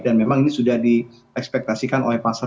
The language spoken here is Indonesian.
dan memang ini sudah di ekspektasikan oleh pasar